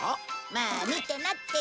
まあ見てなって。